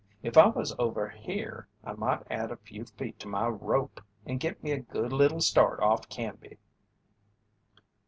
If I was over here I might add a few feet to my rope and git me a good little start off Canby."